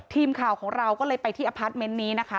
ทีมข่าวของเราก็เลยไปที่อพาร์ทเมนต์นี้นะคะ